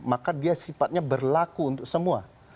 maka dia sifatnya berlaku untuk semua